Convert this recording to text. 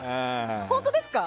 本当ですか。